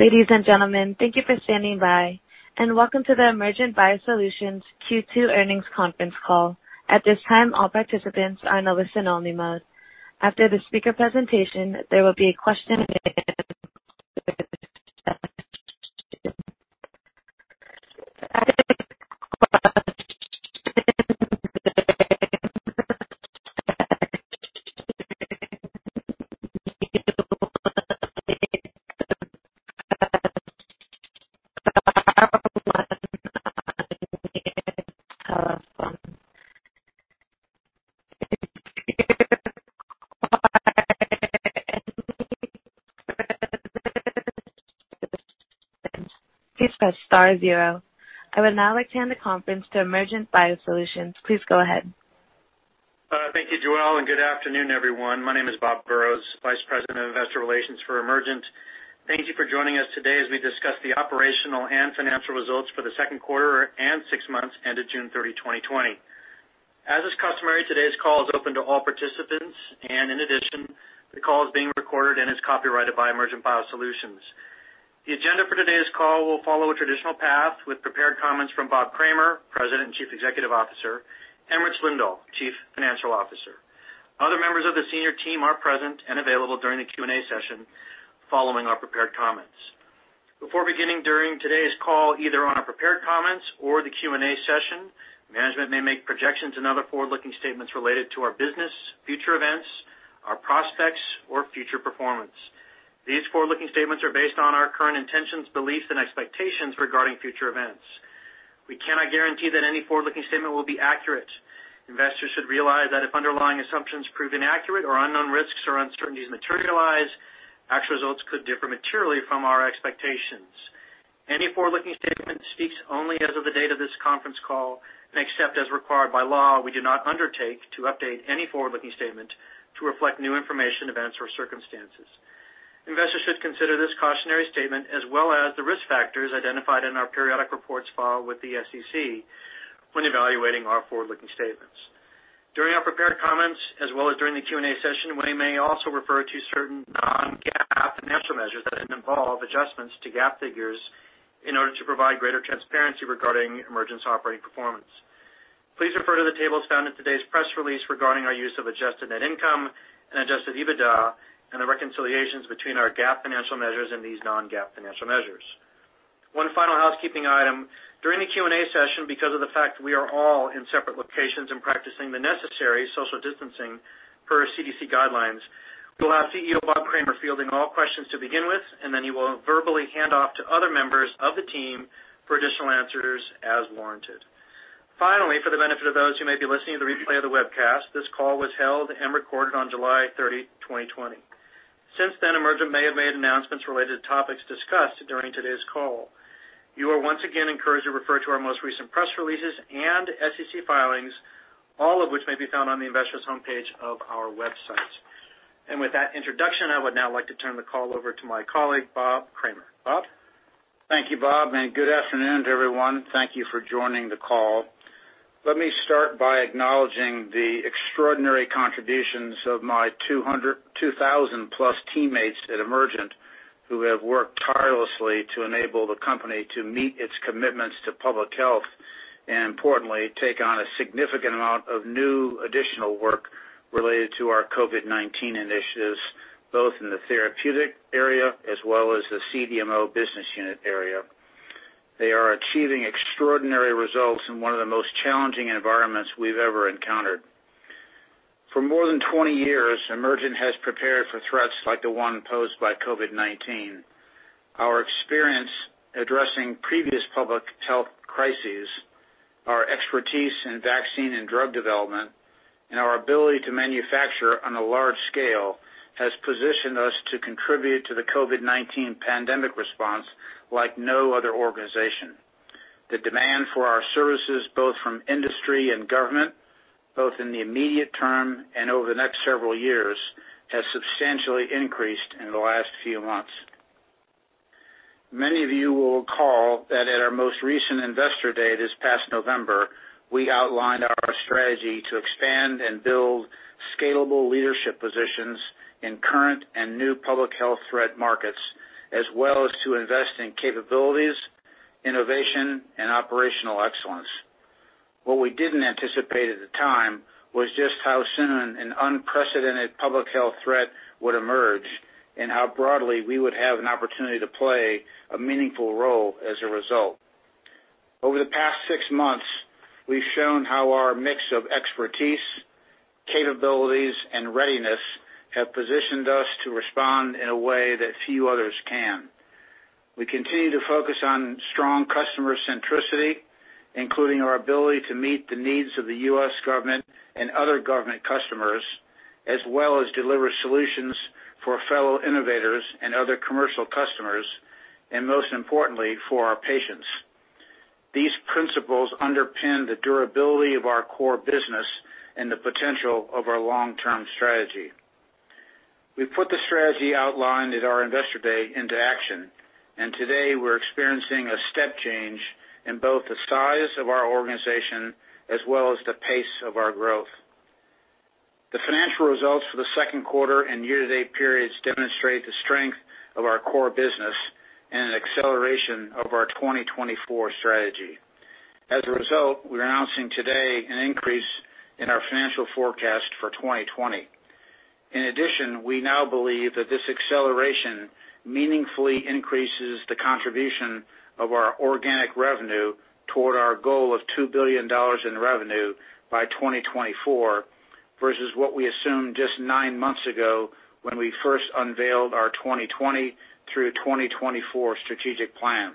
Ladies and gentlemen, thank you for standing by and welcome to the Emergent BioSolutions Q2 Earnings Conference Call. At this time, all participants are in a listen-only mode. After the speaker presentation, there will be a question and answer. I would now like to hand the conference to Emergent BioSolutions. Please go ahead. Thank you, Joelle, and good afternoon, everyone. My name is Bob Burrows, Vice President of Investor Relations for Emergent. Thank you for joining us today as we discuss the operational and financial results for the second quarter and six months ended June 30, 2020. As is customary, today's call is open to all participants, and in addition, the call is being recorded and is copyrighted by Emergent BioSolutions. The agenda for today's call will follow a traditional path with prepared comments from Bob Kramer, President and Chief Executive Officer, and Rich Lindahl, Chief Financial Officer. Other members of the senior team are present and available during the Q&A session following our prepared comments. Before beginning during today's call, either on our prepared comments or the Q&A session, management may make projections and other forward-looking statements related to our business, future events, our prospects, or future performance. These forward-looking statements are based on our current intentions, beliefs, and expectations regarding future events. We cannot guarantee that any forward-looking statement will be accurate. Investors should realize that if underlying assumptions prove inaccurate or unknown risks or uncertainties materialize, actual results could differ materially from our expectations. Any forward-looking statement speaks only as of the date of this conference call, and except as required by law, we do not undertake to update any forward-looking statement to reflect new information, events, or circumstances. Investors should consider this cautionary statement as well as the risk factors identified in our periodic reports filed with the SEC when evaluating our forward-looking statements. During our prepared comments, as well as during the Q&A session, we may also refer to certain non-GAAP financial measures that involve adjustments to GAAP figures in order to provide greater transparency regarding Emergent's operating performance. Please refer to the tables found in today's press release regarding our use of adjusted net income and adjusted EBITDA and the reconciliations between our GAAP financial measures and these non-GAAP financial measures. One final housekeeping item. During the Q&A session, because of the fact we are all in separate locations and practicing the necessary social distancing per CDC guidelines, we'll have CEO Bob Kramer fielding all questions to begin with, and then he will verbally hand off to other members of the team for additional answers as warranted. Finally, for the benefit of those who may be listening to the replay of the webcast, this call was held and recorded on July 30, 2020. Since then, Emergent may have made announcements related to topics discussed during today's call. You are once again encouraged to refer to our most recent press releases and SEC filings, all of which may be found on the investors homepage of our website. With that introduction, I would now like to turn the call over to my colleague, Bob Kramer. Bob? Thank you, Bob, and good afternoon to everyone. Thank you for joining the call. Let me start by acknowledging the extraordinary contributions of my 2,000+ teammates at Emergent who have worked tirelessly to enable the company to meet its commitments to public health and importantly, take on a significant amount of new additional work related to our COVID-19 initiatives, both in the therapeutic area as well as the CDMO business unit area. They are achieving extraordinary results in one of the most challenging environments we've ever encountered. For more than 20 years, Emergent has prepared for threats like the one posed by COVID-19. Our experience addressing previous public health crises, our expertise in vaccine and drug development, and our ability to manufacture on a large scale has positioned us to contribute to the COVID-19 pandemic response like no other organization. The demand for our services, both from industry and government, both in the immediate term and over the next several years, has substantially increased in the last few months. Many of you will recall that at our most recent Investor Day this past November, we outlined our strategy to expand and build scalable leadership positions in current and new public health threat markets, as well as to invest in capabilities, innovation, and operational excellence. What we didn't anticipate at the time was just how soon an unprecedented public health threat would emerge and how broadly we would have an opportunity to play a meaningful role as a result. Over the past six months, we've shown how our mix of expertise, capabilities, and readiness have positioned us to respond in a way that few others can. We continue to focus on strong customer centricity, including our ability to meet the needs of the U.S. government and other government customers, as well as deliver solutions for fellow innovators and other commercial customers, and most importantly, for our patients. These principles underpin the durability of our core business and the potential of our long-term strategy. We put the strategy outlined at our Investor Day into action, and today we're experiencing a step change in both the size of our organization as well as the pace of our growth. The financial results for the second quarter and year-to-date periods demonstrate the strength of our core business and an acceleration of our 2024 strategy. As a result, we're announcing today an increase in our financial forecast for 2020. In addition, we now believe that this acceleration meaningfully increases the contribution of our organic revenue toward our goal of $2 billion in revenue by 2024, versus what we assumed just nine months ago when we first unveiled our 2020 through 2024 strategic plan.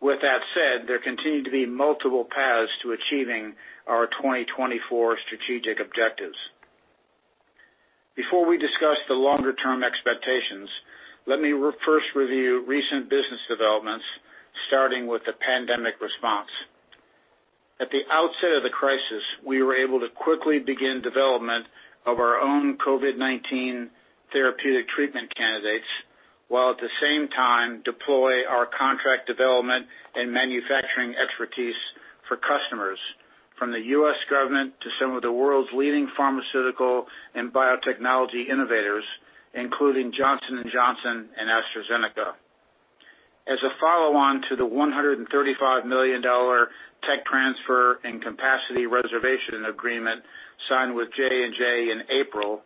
With that said, there continue to be multiple paths to achieving our 2024 strategic objectives. Before we discuss the longer-term expectations, let me first review recent business developments, starting with the pandemic response. At the outset of the crisis, we were able to quickly begin development of our own COVID-19 therapeutic treatment candidates, while at the same time deploy our contract development and manufacturing expertise for customers, from the U.S. government to some of the world's leading pharmaceutical and biotechnology innovators, including Johnson & Johnson and AstraZeneca. As a follow-on to the $135 million tech transfer and capacity reservation agreement signed with J&J in April,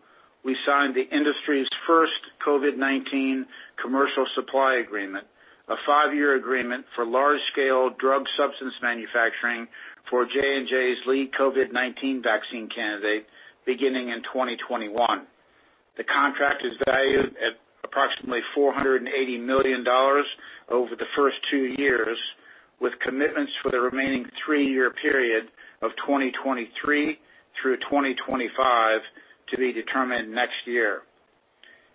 we signed the industry's first COVID-19 commercial supply agreement, a five-year agreement for large-scale drug substance manufacturing for J&J's lead COVID-19 vaccine candidate beginning in 2021. The contract is valued at approximately $480 million over the first two years, with commitments for the remaining three-year period of 2023 through 2025 to be determined next year.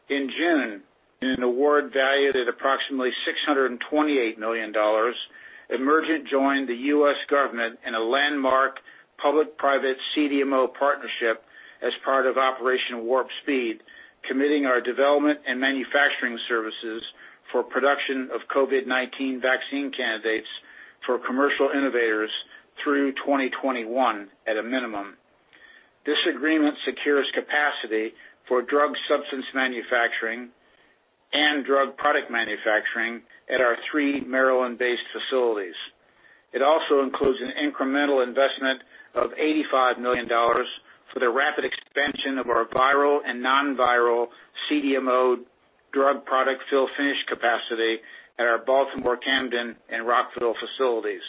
In June, in an award valued at approximately $628 million, Emergent joined the U.S. government in a landmark public-private CDMO partnership as part of Operation Warp Speed, committing our development and manufacturing services for production of COVID-19 vaccine candidates for commercial innovators through 2021 at a minimum. This agreement secures capacity for drug substance manufacturing and drug product manufacturing at our three Maryland-based facilities. It also includes an incremental investment of $85 million for the rapid expansion of our viral and non-viral CDMO drug product fill finish capacity at our Baltimore, Camden, and Rockville facilities.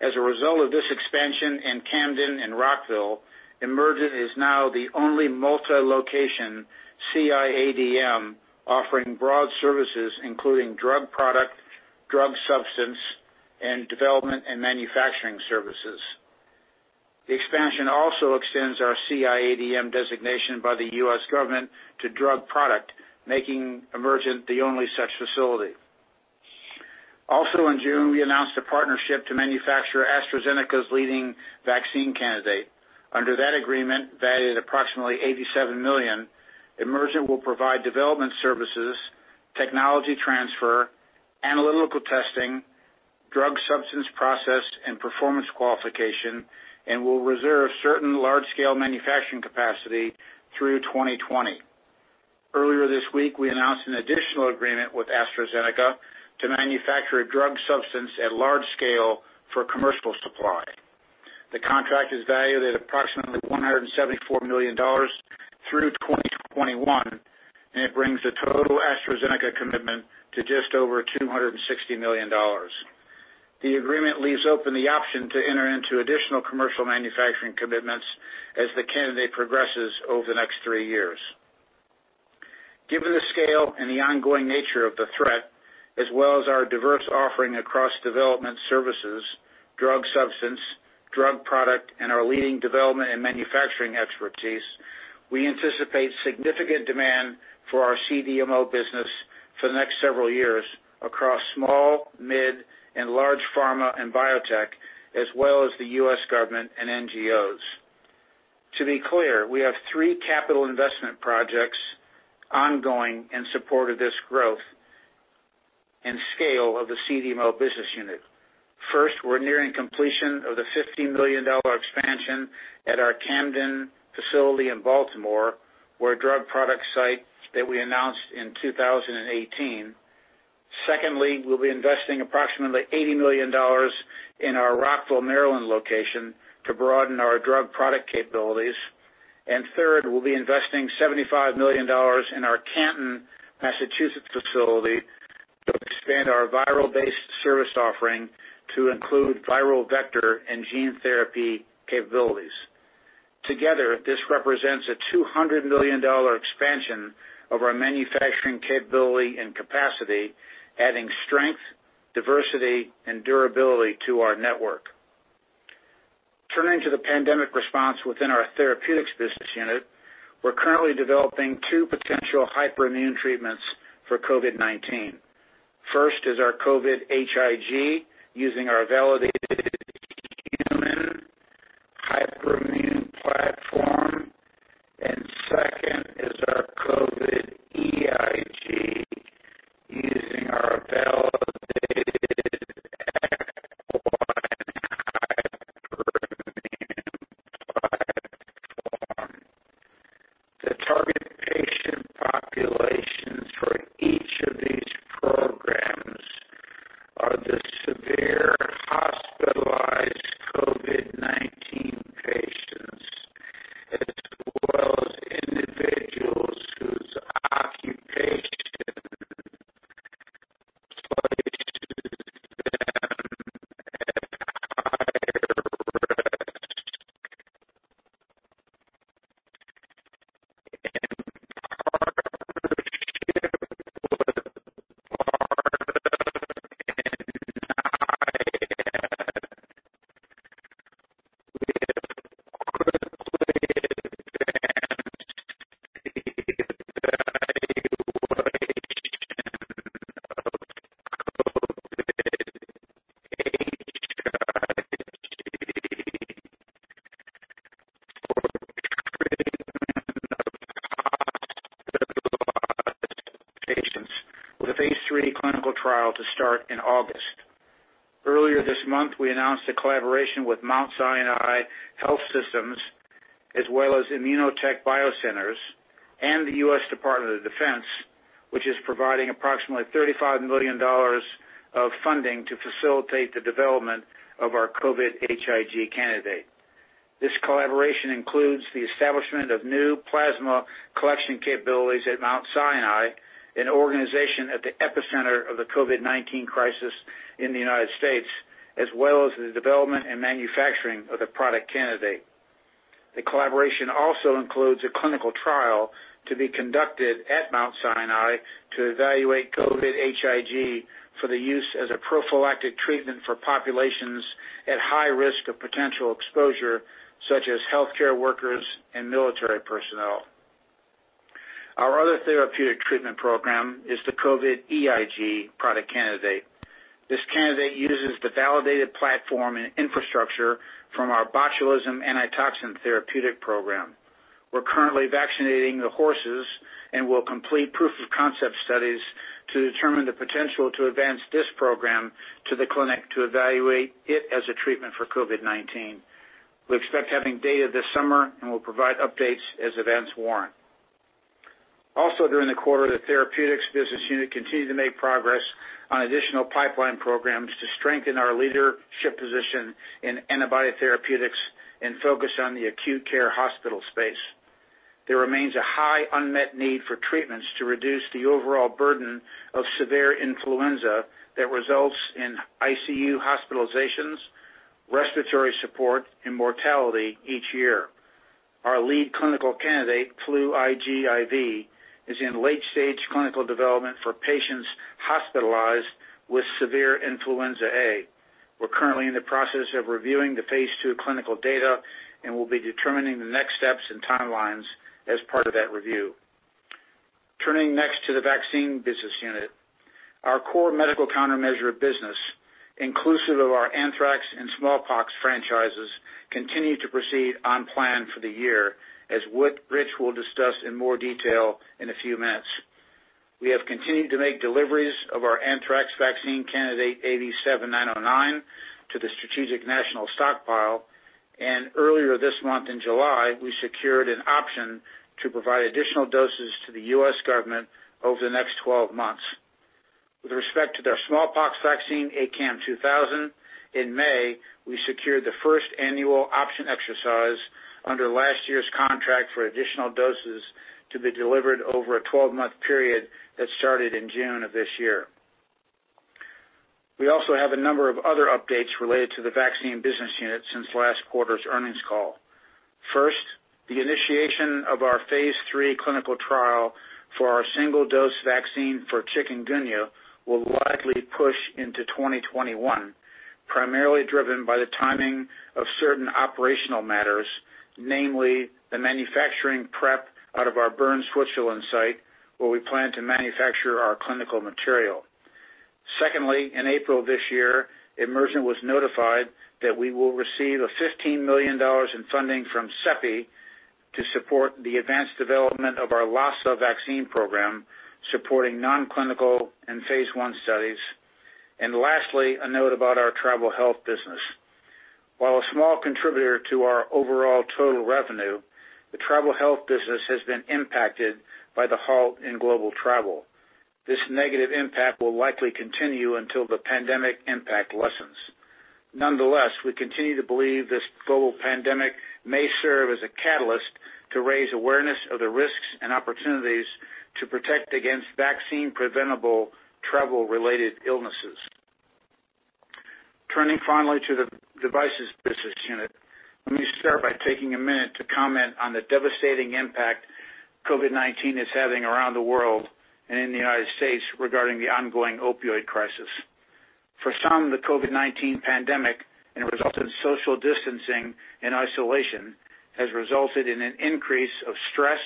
As a result of this expansion in Camden and Rockville, Emergent is now the only multi-location CIADM offering broad services including drug product, drug substance, and development and manufacturing services. The expansion also extends our CIADM designation by the U.S. government to drug product, making Emergent the only such facility. Also in June, we announced a partnership to manufacture AstraZeneca's leading vaccine candidate. Under that agreement, valued at approximately $87 million, Emergent will provide development services, technology transfer, analytical testing, drug substance process, and performance qualification, and will reserve certain large-scale manufacturing capacity through 2020. Earlier this week, we announced an additional agreement with AstraZeneca to manufacture a drug substance at large scale for commercial supply. The contract is valued at approximately $174 million through 2021, and it brings the total AstraZeneca commitment to just over $260 million. The agreement leaves open the option to enter into additional commercial manufacturing commitments as the candidate progresses over the next three years. Given the scale and the ongoing nature of the threat, as well as our diverse offering across development services, drug substance, drug product, and our leading development and manufacturing expertise, we anticipate significant demand for our CDMO business for the next several years across small, mid, and large pharma and biotech, as well as the U.S. government and NGOs. To be clear, we have three capital investment projects ongoing in support of this growth and scale of the CDMO business unit. First, we're nearing completion of the $50 million expansion at our Camden facility in Baltimore, where a drug product site that we announced in 2018. Secondly, we'll be investing approximately $80 million in our Rockville, Maryland location to broaden our drug product capabilities. Third, we'll be investing $75 million in our Canton, Massachusetts facility to expand our viral-based service offering to include viral vector and gene therapy capabilities. Together, this represents a $200 million expansion of our manufacturing capability and capacity, adding strength, diversity, and durability to our network. Turning to the pandemic response within our therapeutics business unit, we're currently developing two potential hyperimmune treatments for COVID-19. First is our COVID-HIG, using our validated human hyperimmune platform, and second is our COVID-EIG, using our validated equine hyperimmune platform. The target patient populations for each of these programs are the severe hospitalized COVID-19 patients, as well as individuals whose occupation places them at higher risk for treatment of hospitalized patients with a phase III clinical trial to start in August. Earlier this month, we announced a collaboration with Mount Sinai Health System, as well as ImmunoTek BioCenters and the U.S. Department of Defense, which is providing approximately $35 million of funding to facilitate the development of our COVID-HIG candidate. This collaboration includes the establishment of new plasma collection capabilities at Mount Sinai, an organization at the epicenter of the COVID-19 crisis in the United States, as well as the development and manufacturing of the product candidate. The collaboration also includes a clinical trial to be conducted at Mount Sinai to evaluate COVID-HIG for the use as a prophylactic treatment for populations at high risk of potential exposure, such as healthcare workers and military personnel. Our other therapeutic treatment program is the COVID-EIG product candidate. This candidate uses the validated platform and infrastructure from our botulism antitoxin therapeutic program. We're currently vaccinating the horses and will complete proof-of-concept studies to determine the potential to advance this program to the clinic to evaluate it as a treatment for COVID-19. We expect having data this summer, and we'll provide updates as events warrant. Also during the quarter, the therapeutics business unit continued to make progress on additional pipeline programs to strengthen our leadership position in antibiotic therapeutics and focus on the acute care hospital space. There remains a high unmet need for treatments to reduce the overall burden of severe influenza that results in ICU hospitalizations, respiratory support, and mortality each year. Our lead clinical candidate, FLU-IGIV, is in late-stage clinical development for patients hospitalized with severe Influenza A. We're currently in the process of reviewing the phase II clinical data and will be determining the next steps and timelines as part of that review. Turning next to the vaccine business unit. Our core medical countermeasure business, inclusive of our anthrax and smallpox franchises, continue to proceed on plan for the year, as Rich will discuss in more detail in a few minutes. We have continued to make deliveries of our anthrax vaccine candidate AV7909 to the Strategic National Stockpile. Earlier this month in July, we secured an option to provide additional doses to the U.S. government over the next 12 months. With respect to their smallpox vaccine, ACAM2000, in May, we secured the first annual option exercise under last year's contract for additional doses to be delivered over a 12-month period that started in June of this year. We also have a number of other updates related to the vaccine business unit since last quarter's earnings call. First, the initiation of our phase III clinical trial for our single-dose vaccine for chikungunya will likely push into 2021, primarily driven by the timing of certain operational matters, namely the manufacturing prep out of our Bern, Switzerland site, where we plan to manufacture our clinical material. In April this year, Emergent was notified that we will receive a $15 million in funding from CEPI to support the advanced development of our Lassa vaccine program, supporting non-clinical and phase I studies. Lastly, a note about our travel health business. While a small contributor to our overall total revenue, the travel health business has been impacted by the halt in global travel. This negative impact will likely continue until the pandemic impact lessens. Nonetheless, we continue to believe this global pandemic may serve as a catalyst to raise awareness of the risks and opportunities to protect against vaccine-preventable travel-related illnesses. Turning finally to the devices business unit. Let me start by taking a minute to comment on the devastating impact COVID-19 is having around the world and in the U.S. regarding the ongoing opioid crisis. For some, the COVID-19 pandemic and resultant social distancing and isolation has resulted in an increase of stress,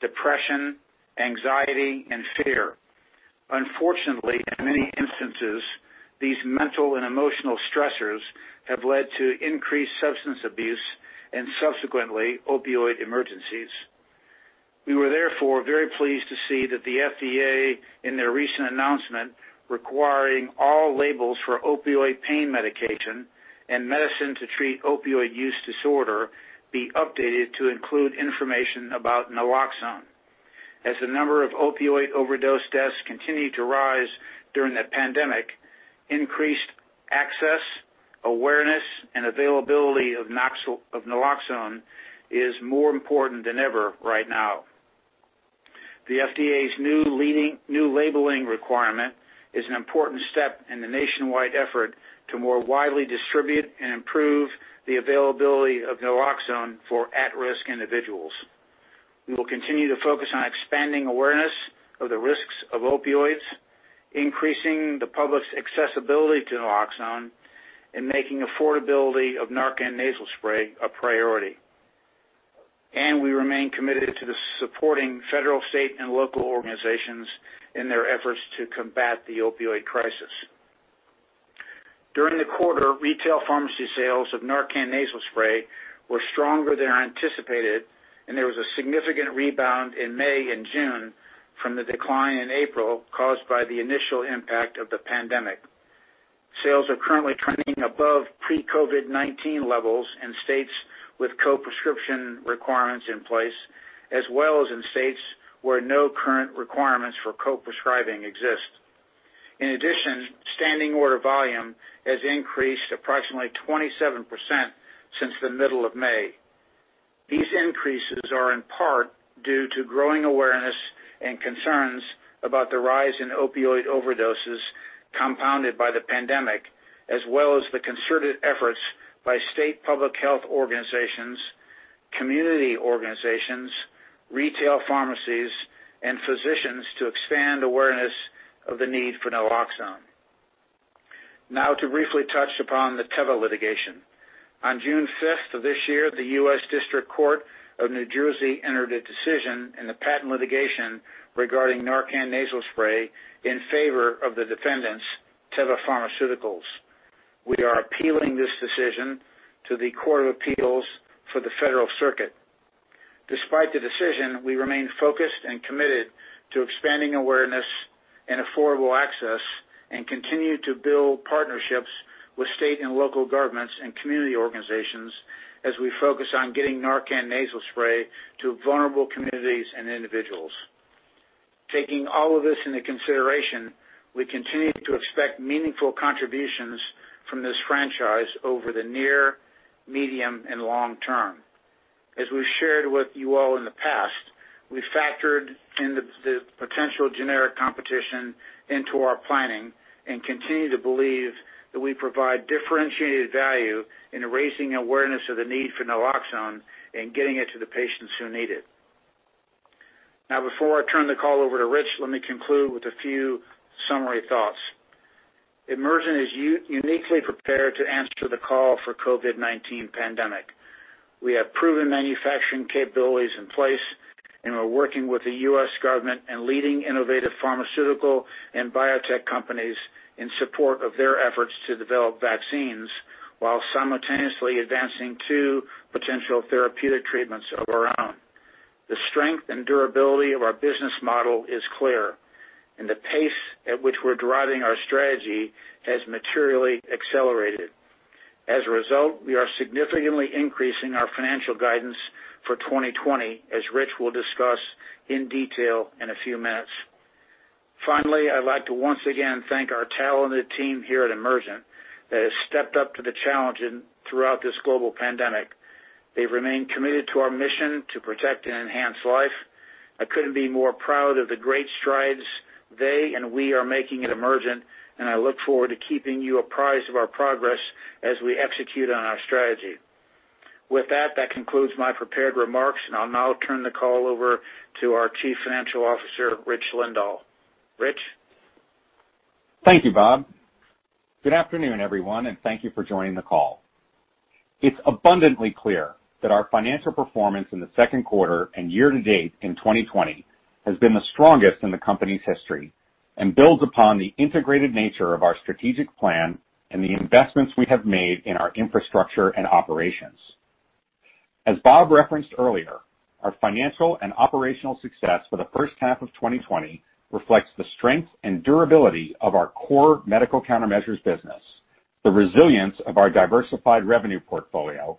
depression, anxiety, and fear. Unfortunately, in many instances, these mental and emotional stressors have led to increased substance abuse and subsequently opioid emergencies. We were therefore very pleased to see that the FDA, in their recent announcement requiring all labels for opioid pain medication and medicine to treat opioid use disorder be updated to include information about naloxone. As the number of opioid overdose deaths continued to rise during the pandemic, increased access, awareness, and availability of naloxone is more important than ever right now. The FDA's new labeling requirement is an important step in the nationwide effort to more widely distribute and improve the availability of naloxone for at-risk individuals. We will continue to focus on expanding awareness of the risks of opioids, increasing the public's accessibility to naloxone, and making affordability of NARCAN Nasal Spray a priority. We remain committed to supporting federal, state, and local organizations in their efforts to combat the opioid crisis. During the quarter, retail pharmacy sales of NARCAN Nasal Spray were stronger than anticipated, and there was a significant rebound in May and June from the decline in April caused by the initial impact of the pandemic. Sales are currently trending above pre-COVID-19 levels in states with co-prescription requirements in place, as well as in states where no current requirements for co-prescribing exist. In addition, standing order volume has increased approximately 27% since the middle of May. These increases are in part due to growing awareness and concerns about the rise in opioid overdoses compounded by the pandemic, as well as the concerted efforts by state public health organizations, community organizations, retail pharmacies, and physicians to expand awareness of the need for naloxone. To briefly touch upon the Teva litigation. On June 5th of this year, the U.S. District Court of New Jersey entered a decision in the patent litigation regarding NARCAN Nasal Spray in favor of the defendants, Teva Pharmaceuticals. We are appealing this decision to the Court of Appeals for the Federal Circuit. Despite the decision, we remain focused and committed to expanding awareness and affordable access, and continue to build partnerships with state and local governments and community organizations as we focus on getting NARCAN Nasal Spray to vulnerable communities and individuals. Taking all of this into consideration, we continue to expect meaningful contributions from this franchise over the near, medium, and long term. As we've shared with you all in the past, we factored in the potential generic competition into our planning and continue to believe that we provide differentiated value in raising awareness of the need for naloxone and getting it to the patients who need it. Before I turn the call over to Rich, let me conclude with a few summary thoughts. Emergent is uniquely prepared to answer the call for COVID-19 pandemic. We have proven manufacturing capabilities in place, and we're working with the U.S. government and leading innovative pharmaceutical and biotech companies in support of their efforts to develop vaccines while simultaneously advancing two potential therapeutic treatments of our own. The strength and durability of our business model is clear, and the pace at which we're driving our strategy has materially accelerated. As a result, we are significantly increasing our financial guidance for 2020, as Rich will discuss in detail in a few minutes. Finally, I'd like to once again thank our talented team here at Emergent that has stepped up to the challenge throughout this global pandemic. They've remained committed to our mission to protect and enhance life. I couldn't be more proud of the great strides they and we are making at Emergent, and I look forward to keeping you apprised of our progress as we execute on our strategy. With that, that concludes my prepared remarks, and I'll now turn the call over to our Chief Financial Officer, Rich Lindahl. Rich? Thank you, Bob. Good afternoon, everyone, and thank you for joining the call. It's abundantly clear that our financial performance in the second quarter and year to date in 2020 has been the strongest in the company's history and builds upon the integrated nature of our strategic plan and the investments we have made in our infrastructure and operations. As Bob referenced earlier, our financial and operational success for the first half of 2020 reflects the strength and durability of our core medical countermeasures business, the resilience of our diversified revenue portfolio,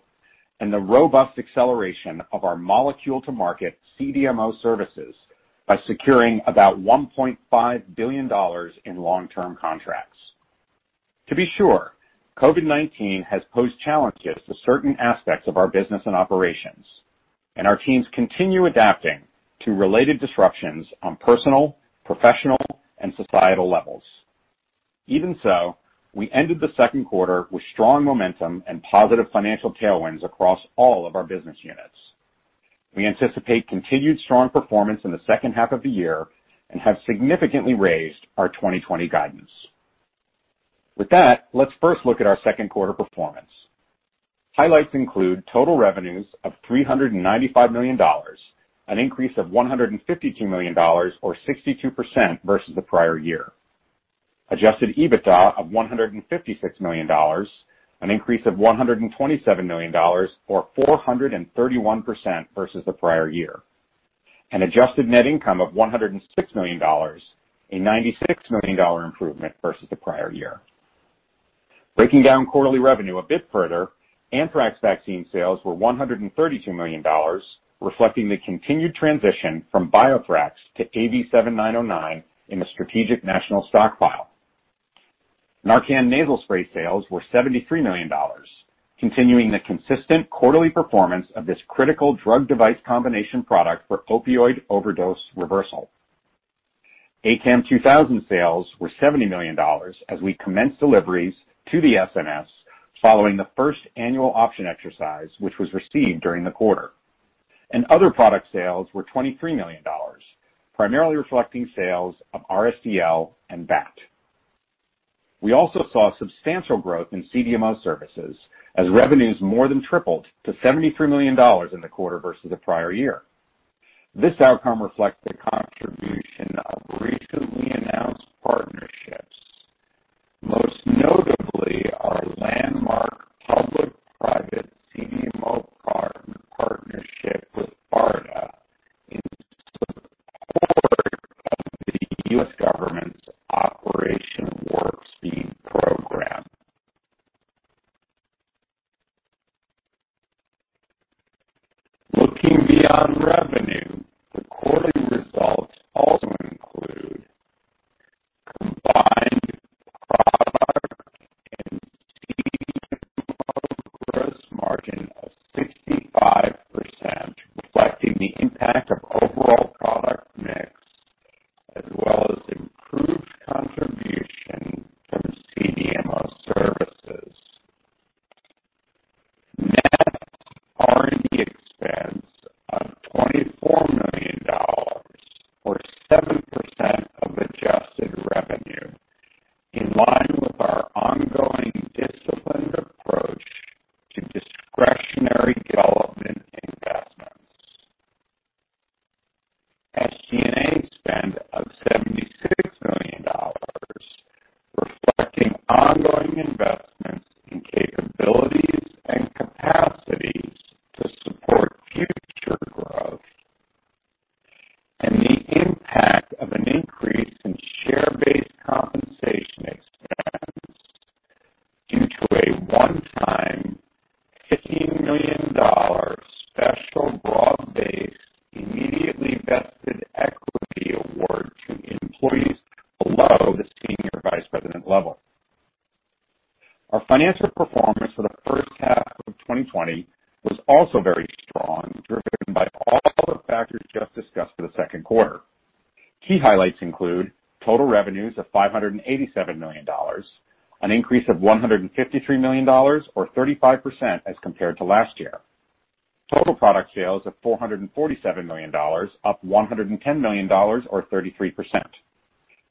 and the robust acceleration of our molecule-to-market CDMO services by securing about $1.5 billion in long-term contracts. To be sure, COVID-19 has posed challenges to certain aspects of our business and operations, and our teams continue adapting to related disruptions on personal, professional, and societal levels. Even so, we ended the second quarter with strong momentum and positive financial tailwinds across all of our business units. We anticipate continued strong performance in the second half of the year and have significantly raised our 2020 guidance. With that, let's first look at our second quarter performance. Highlights include total revenues of $395 million, an increase of $152 million or 62% versus the prior year. Adjusted EBITDA of $156 million, an increase of $127 million, or 431% versus the prior year. An adjusted net income of $106 million, a $96 million improvement versus the prior year. Breaking down quarterly revenue a bit further, anthrax vaccine sales were $132 million, reflecting the continued transition from BioThrax to AV7909 in the Strategic National Stockpile. NARCAN Nasal Spray sales were $73 million, continuing the consistent quarterly performance of this critical drug device combination product for opioid overdose reversal. ACAM2000 sales were $70 million as we commenced deliveries to the SNS following the first annual option exercise, which was received during the quarter. Other product sales were $23 million, primarily reflecting sales of RSDL and BAT. We also saw substantial growth in CDMO services as revenues more than tripled to $73 million in the quarter versus the prior year. This outcome reflects the contribution of recently announced partnerships, most notably $153 million, or 35% as compared to last year. Total product sales of $447 million, up $110 million or 33%.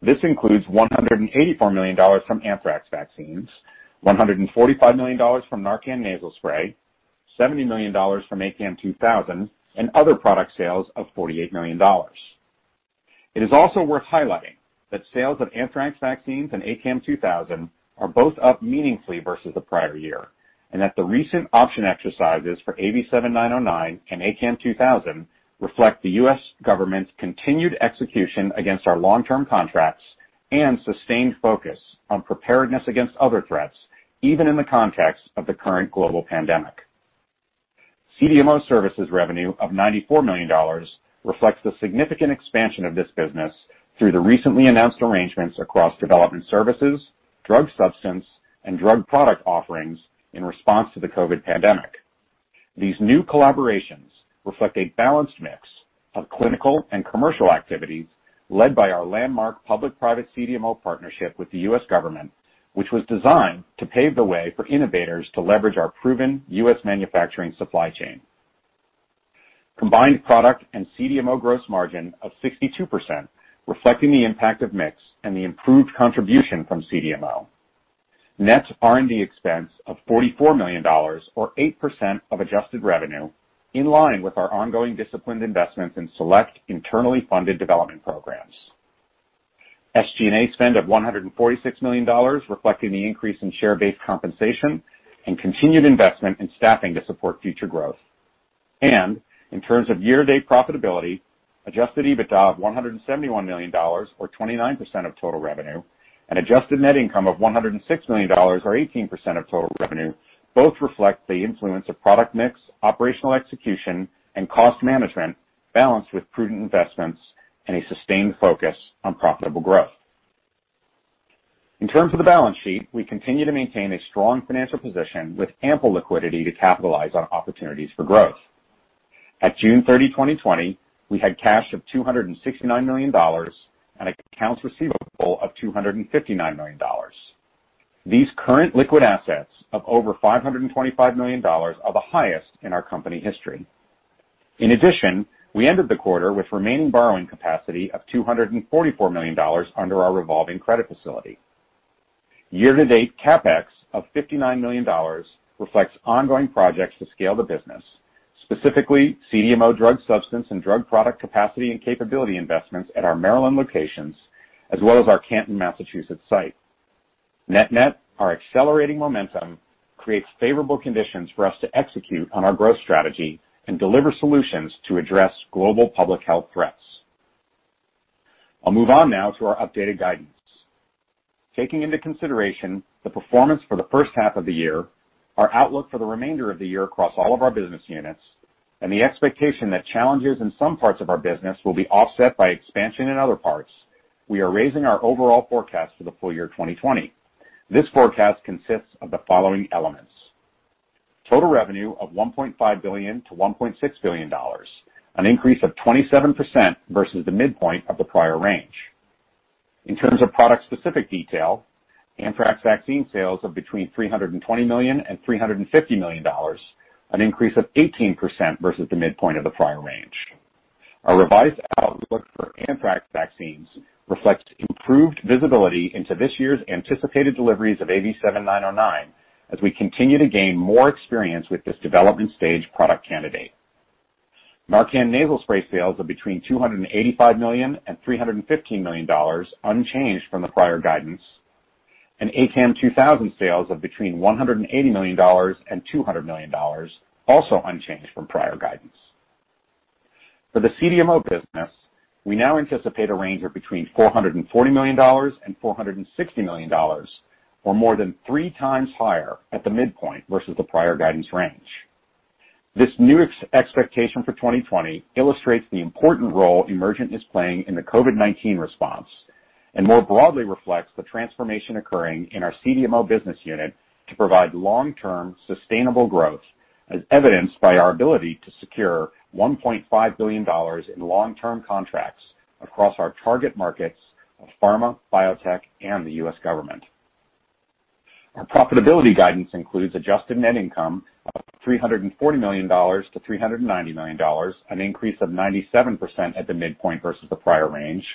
This includes $184 million from anthrax vaccines, $145 million from NARCAN Nasal Spray, $70 million from ACAM2000, and other product sales of $48 million. It is also worth highlighting that sales of anthrax vaccines and ACAM2000 are both up meaningfully versus the prior year, and that the recent option exercises for AV7909 and ACAM2000 reflect the U.S. government's continued execution against our long-term contracts and sustained focus on preparedness against other threats, even in the context of the current global pandemic. CDMO services revenue of $94 million reflects the significant expansion of this business through the recently announced arrangements across development services, drug substance, and drug product offerings in response to the COVID-19 pandemic. These new collaborations reflect a balanced mix of clinical and commercial activities led by our landmark public-private CDMO partnership with the U.S. government, which was designed to pave the way for innovators to leverage our proven U.S. manufacturing supply chain. Combined product and CDMO gross margin of 62%, reflecting the impact of mix and the improved contribution from CDMO. Net R&D expense of $44 million, or 8% of adjusted revenue, in line with our ongoing disciplined investments in select internally funded development programs. SG&A spend of $146 million, reflecting the increase in share-based compensation and continued investment in staffing to support future growth. In terms of year-to-date profitability, adjusted EBITDA of $171 million, or 29% of total revenue, and adjusted net income of $106 million, or 18% of total revenue, both reflect the influence of product mix, operational execution, and cost management, balanced with prudent investments and a sustained focus on profitable growth. In terms of the balance sheet, we continue to maintain a strong financial position with ample liquidity to capitalize on opportunities for growth. At June 30, 2020, we had cash of $269 million and accounts receivable of $259 million. These current liquid assets of over $525 million are the highest in our company history. We ended the quarter with remaining borrowing capacity of $244 million under our revolving credit facility. Year-to-date CapEx of $59 million reflects ongoing projects to scale the business, specifically CDMO drug substance and drug product capacity and capability investments at our Maryland locations, as well as our Canton, Massachusetts site. Net-net, our accelerating momentum creates favorable conditions for us to execute on our growth strategy and deliver solutions to address global public health threats. I'll move on now to our updated guidance. Taking into consideration the performance for the first half of the year, our outlook for the remainder of the year across all of our business units, and the expectation that challenges in some parts of our business will be offset by expansion in other parts, we are raising our overall forecast for the full year 2020. This forecast consists of the following elements. Total revenue of $1.5 billion-$1.6 billion, an increase of 27% versus the midpoint of the prior range. In terms of product-specific detail, anthrax vaccine sales of between $320 million and $350 million, an increase of 18% versus the midpoint of the prior range. Our revised outlook for anthrax vaccines reflects improved visibility into this year's anticipated deliveries of AV7909, as we continue to gain more experience with this development stage product candidate. NARCAN Nasal Spray sales of between $285 million and $315 million, unchanged from the prior guidance, and ACAM2000 sales of between $180 million and $200 million, also unchanged from prior guidance. For the CDMO business, we now anticipate a range of between $440 million and $460 million, or more than three times higher at the midpoint versus the prior guidance range. This new expectation for 2020 illustrates the important role Emergent is playing in the COVID-19 response. More broadly reflects the transformation occurring in our CDMO business unit to provide long-term sustainable growth, as evidenced by our ability to secure $1.5 billion in long-term contracts across our target markets of pharma, biotech, and the U.S. government. Our profitability guidance includes adjusted net income of $340 million-$390 million, an increase of 97% at the midpoint versus the prior range.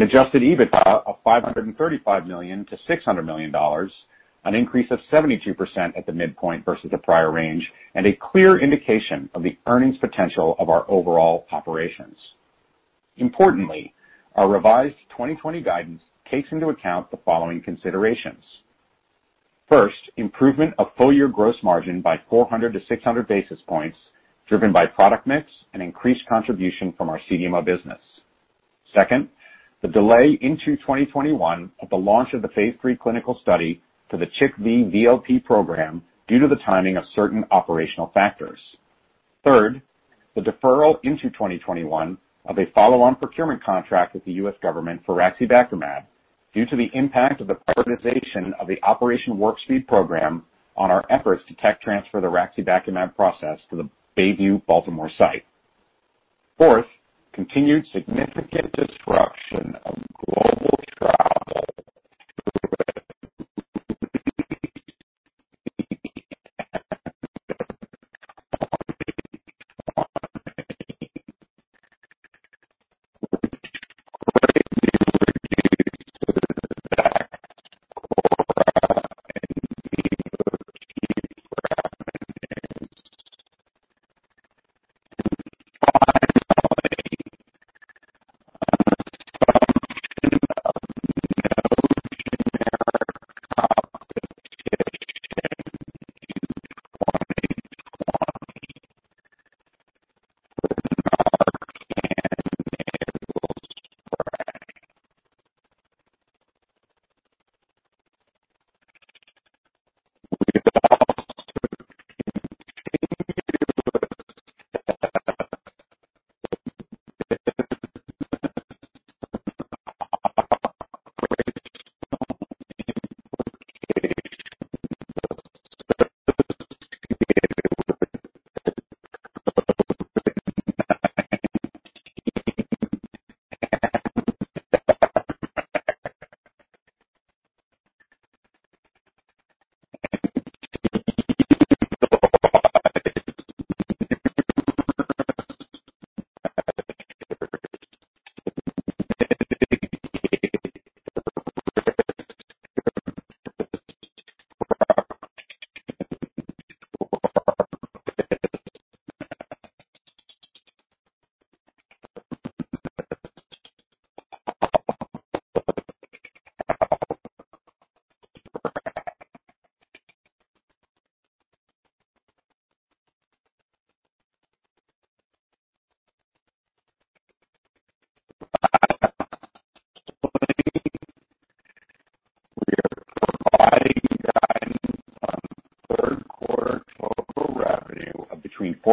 Adjusted EBITDA of $535 million-$600 million, an increase of 72% at the midpoint versus the prior range, and a clear indication of the earnings potential of our overall operations. Importantly, our revised 2020 guidance takes into account the following considerations. First, improvement of full-year gross margin by 400-600 basis points, driven by product mix and increased contribution from our CDMO business. Second, the delay into 2021 of the launch of the phase III clinical study for the CHIKV VLP program due to the timing of certain operational factors. Third, the deferral into 2021 of a follow-on procurement contract with the U.S. government for Raxibacumab due to the impact of the prioritization of the Operation Warp Speed program on our efforts to tech transfer the Raxibacumab process to the Bayview, Baltimore site. Fourth, continued significant disruption of global travel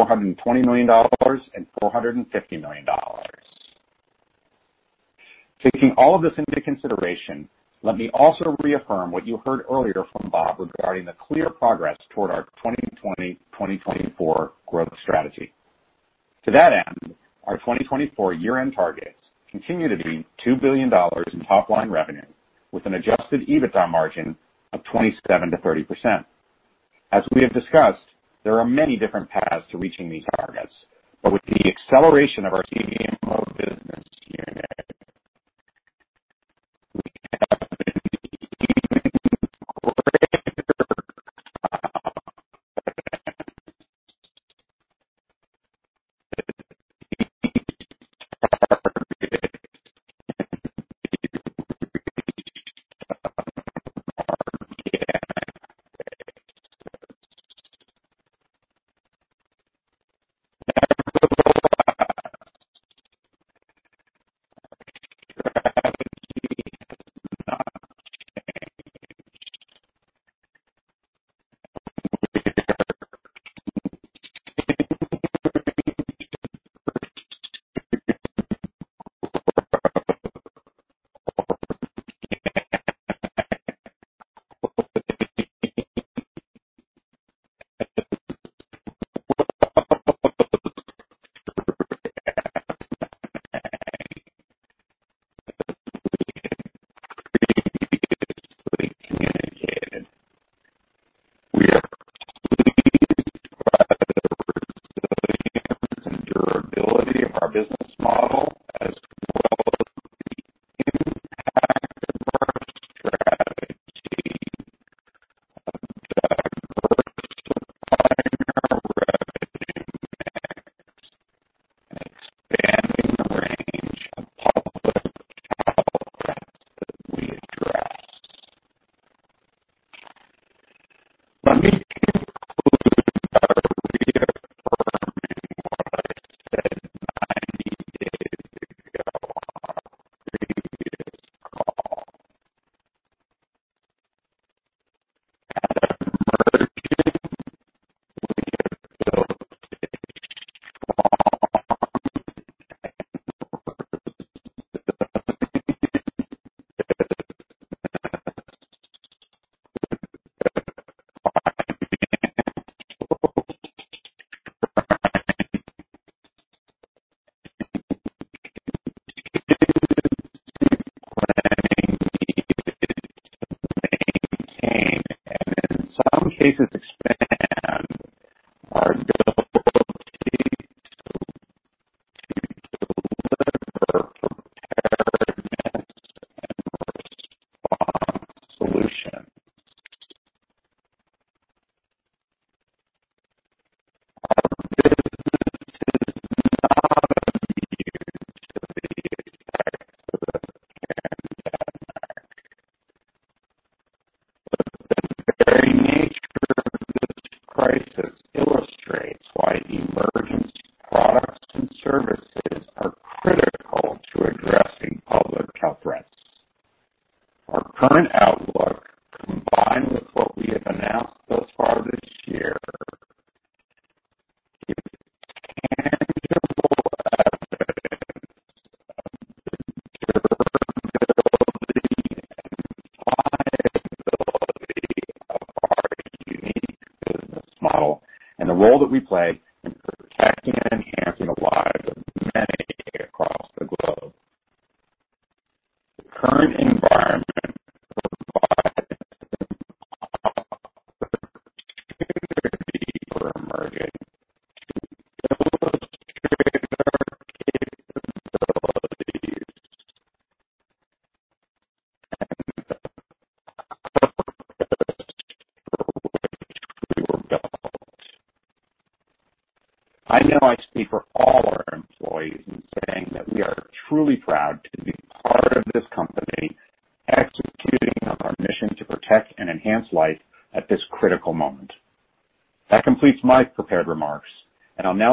through at least the end of 2020, which continues to impact our programming. Finally, a reduction of no new market applications in 2020 for NARCAN Nasal Spray. We also continue to expect significant operational impacts from the COVID-19 pandemic through at least the end of 2020. Lastly, we are providing guidance on third quarter total revenue of between $420 million and $450 million. Taking all of this into consideration, let me also reaffirm what you heard earlier from Bob regarding the clear progress toward our 2020-2024 growth strategy. To that end, our 2024 year-end targets continue to be $2 billion in top line revenue with an adjusted EBITDA margin of 27%-30%. As we have discussed, there are many different paths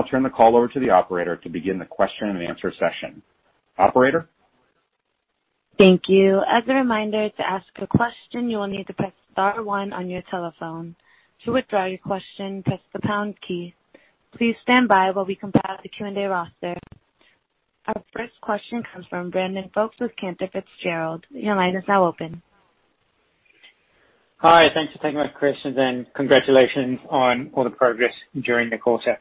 turn the call over to the operator to begin the question and answer session. Operator? Thank you. As a reminder, to ask a question, you will need to press star one on your telephone. To withdraw your question, press the pound key. Please stand by while we compile the Q&A roster. Our first question comes from Brandon Folkes with Cantor Fitzgerald. Your line is now open. Hi, thanks for taking my questions, and congratulations on all the progress during the quarter.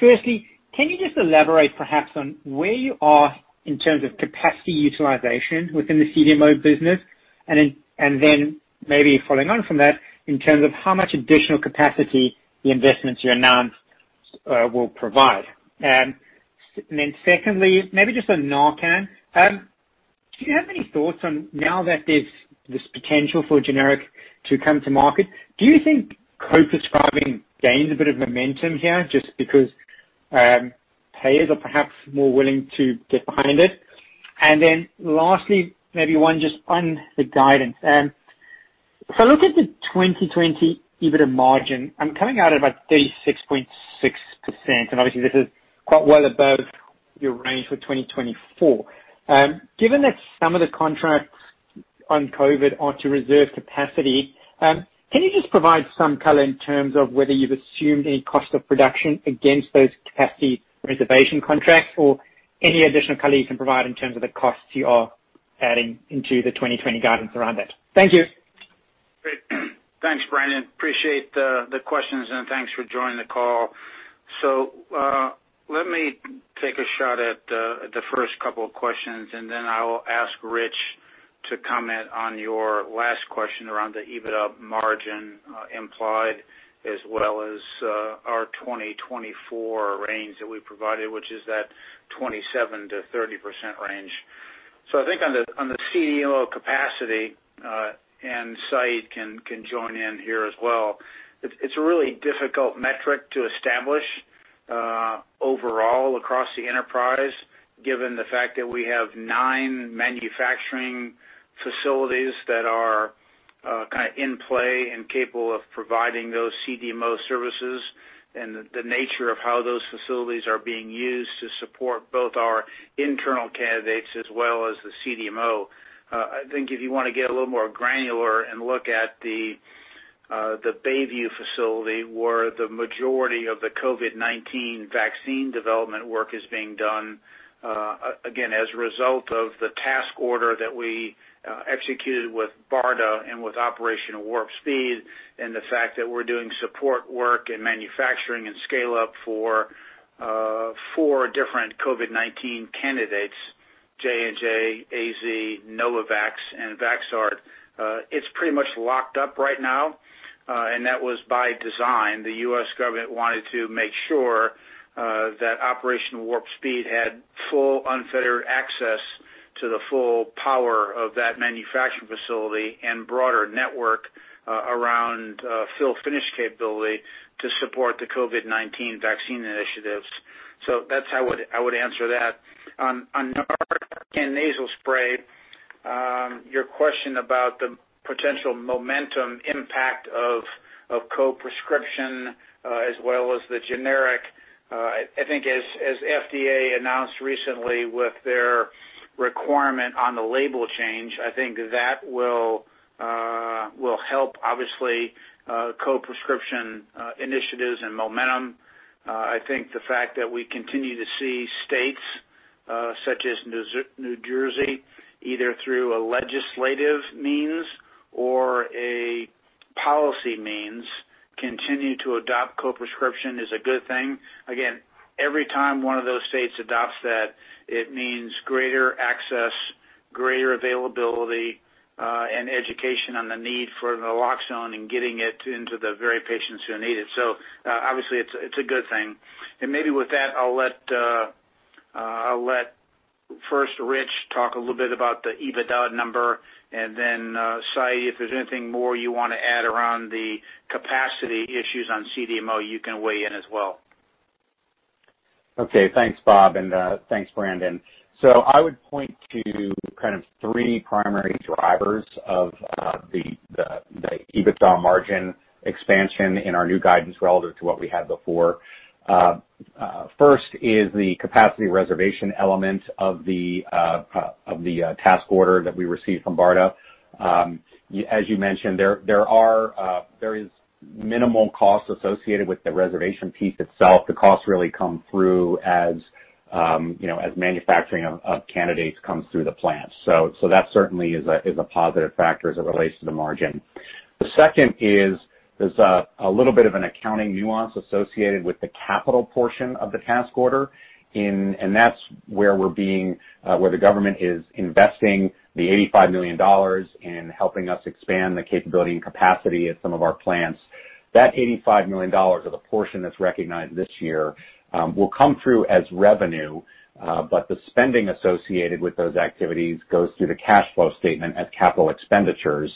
Firstly, can you just elaborate perhaps on where you are in terms of capacity utilization within the CDMO business? Maybe following on from that, in terms of how much additional capacity the investments you announced will provide? Secondly, maybe just on NARCAN. Do you have any thoughts on now that there's this potential for a generic to come to market, do you think co-prescribing gains a bit of momentum here just because payers are perhaps more willing to get behind it? Lastly, maybe one just on the guidance. If I look at the 2020 EBITDA margin, I'm coming out at about 36.6%. Obviously this is quite well above your range for 2024. Given that some of the contracts on COVID are to reserve capacity, can you just provide some color in terms of whether you've assumed any cost of production against those capacity reservation contracts or any additional color you can provide in terms of the costs you are adding into the 2020 guidance around it? Thank you. Great. Thanks, Brandon. Appreciate the questions and thanks for joining the call. Let me take a shot at the first couple of questions, and then I will ask Rich to comment on your last question around the EBITDA margin implied as well as our 2024 range that we provided, which is that 27%-30% range. I think on the CDMO capacity, and Syed can join in here as well, it's a really difficult metric to establish overall across the enterprise, given the fact that we have nine manufacturing facilities that are kind of in play and capable of providing those CDMO services and the nature of how those facilities are being used to support both our internal candidates as well as the CDMO. I think if you want to get a little more granular and look at the Bayview facility, where the majority of the COVID-19 vaccine development work is being done, again, as a result of the task order that we executed with BARDA and with Operation Warp Speed and the fact that we're doing support work and manufacturing and scale-up for four different COVID-19 candidates, J&J, AZ, Novavax, and Vaxart, it's pretty much locked up right now, and that was by design. The U.S. government wanted to make sure that Operation Warp Speed had full, unfettered access to the full power of that manufacturing facility and broader network around fill-finish capability to support the COVID-19 vaccine initiatives. That's how I would answer that. On NARCAN Nasal Spray, your question about the potential momentum impact of co-prescription, as well as the generic, I think as FDA announced recently with their requirement on the label change, I think that will help, obviously, co-prescription initiatives and momentum. I think the fact that we continue to see states, such as New Jersey, either through a legislative means or a policy means, continue to adopt co-prescription is a good thing. Again, every time one of those states adopts that, it means greater access, greater availability, and education on the need for naloxone and getting it into the very patients who need it. Obviously, it's a good thing. Maybe with that, I'll let first Rich talk a little bit about the EBITDA number, and then, Syed, if there's anything more you want to add around the capacity issues on CDMO, you can weigh in as well. Okay. Thanks, Bob, and thanks, Brandon. I would point to kind of three primary drivers of the EBITDA margin expansion in our new guidance relative to what we had before. First is the capacity reservation element of the task order that we received from BARDA. As you mentioned, there is minimal cost associated with the reservation piece itself. The costs really come through as manufacturing of candidates comes through the plant. That certainly is a positive factor as it relates to the margin. The second is there's a little bit of an accounting nuance associated with the capital portion of the task order, and that's where the government is investing the $85 million in helping us expand the capability and capacity at some of our plants. That $85 million of the portion that's recognized this year will come through as revenue, but the spending associated with those activities goes through the cash flow statement as capital expenditures,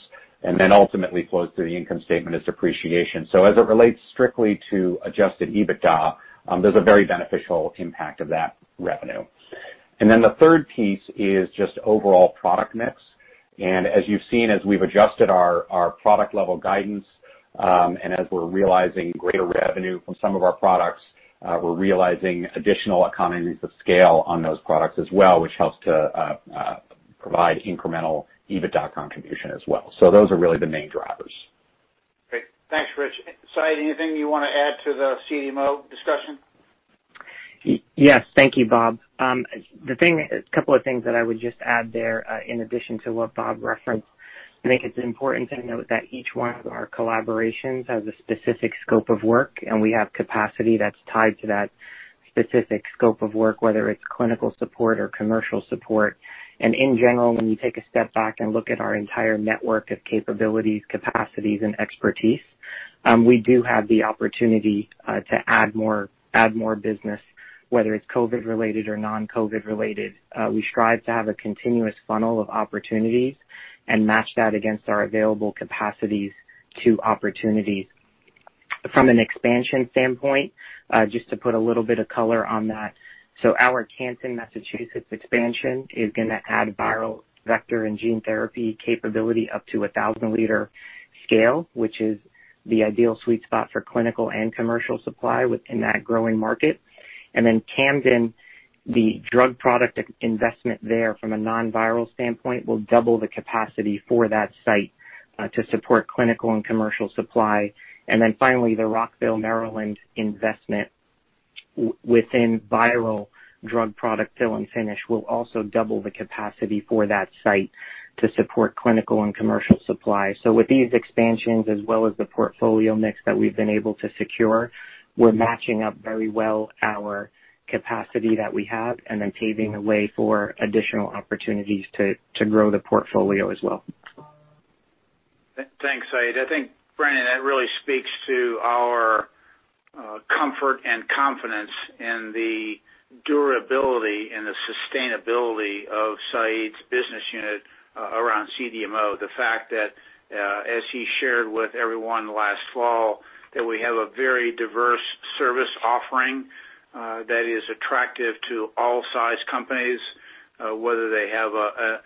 and then ultimately flows through the income statement as depreciation. As it relates strictly to adjusted EBITDA, there's a very beneficial impact of that revenue. The third piece is just overall product mix. As you've seen, as we've adjusted our product level guidance, and as we're realizing greater revenue from some of our products, we're realizing additional economies of scale on those products as well, which helps to provide incremental EBITDA contribution as well. Those are really the main drivers. Great. Thanks, Rich. Syed, anything you want to add to the CDMO discussion? Yes. Thank you, Bob. A couple of things that I would just add there, in addition to what Bob referenced. I think it's important to note that each one of our collaborations has a specific scope of work, and we have capacity that's tied to that specific scope of work, whether it's clinical support or commercial support. In general, when you take a step back and look at our entire network of capabilities, capacities, and expertise, we do have the opportunity to add more business, whether it's COVID-related or non-COVID related. We strive to have a continuous funnel of opportunities and match that against our available capacities to opportunities. From an expansion standpoint, just to put a little bit of color on that, our Canton, Massachusetts expansion is going to add viral vector and gene therapy capability up to 1,000 L scale, which is the ideal sweet spot for clinical and commercial supply within that growing market. Camden, the drug product investment there from a non-viral standpoint will double the capacity for that site to support clinical and commercial supply. Finally, the Rockville, Maryland investment within viral drug product fill and finish will also double the capacity for that site to support clinical and commercial supply. With these expansions, as well as the portfolio mix that we've been able to secure, we're matching up very well our capacity that we have and then paving the way for additional opportunities to grow the portfolio as well. Thanks, Syed. I think, Brandon, that really speaks to our comfort and confidence in the durability and the sustainability of Syed's business unit around CDMO. The fact that, as he shared with everyone last fall, that we have a very diverse service offering that is attractive to all size companies, whether they have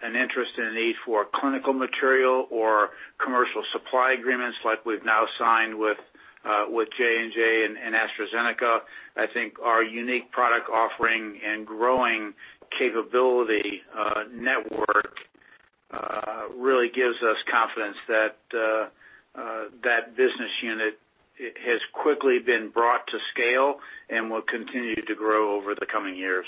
an interest and a need for clinical material or commercial supply agreements like we've now signed with J&J and AstraZeneca. I think our unique product offering and growing capability network really gives us confidence that business unit has quickly been brought to scale and will continue to grow over the coming years.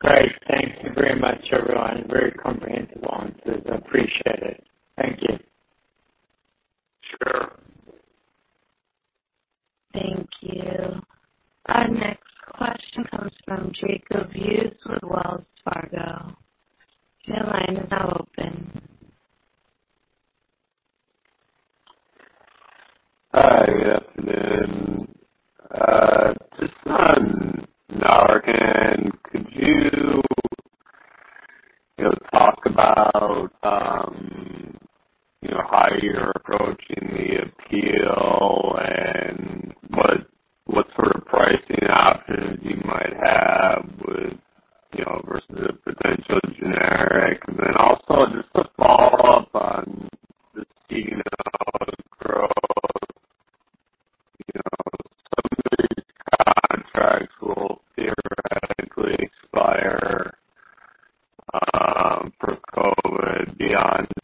Great. Thank you very much, everyone. Very comprehensive answers. I appreciate it. Thank you. Sure. Thank you. Our next question comes from Jacob Hughes with Wells Fargo. Your line is now open. Hi, good afternoon. Just on NARCAN, could you talk about how you're approaching the appeal and what sort of pricing options you might have versus a potential generic? Also just to follow up on the CDMO growth, some of these contracts will theoretically expire for COVID beyond 2021. Do you think you can grow off that